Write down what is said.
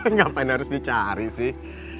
ngapain harus dicari sih